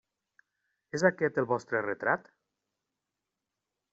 És aquest el vostre retrat?